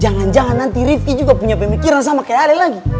jangan jangan nanti rifki juga punya pemikiran sama kayak ari lagi